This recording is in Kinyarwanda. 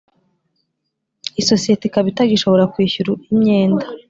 Isosiyete ikaba itagishobora kwishyura imyenda